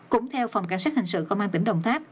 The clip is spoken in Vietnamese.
cũng theo phòng cảnh sát hình sự công an tỉnh đồng tháp